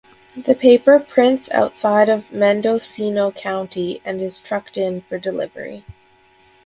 The paper prints outside of Mendocino County and is trucked in for delivery.